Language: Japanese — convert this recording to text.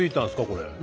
これ。